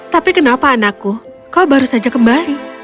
tapi kenapa anakku kau baru saja kembali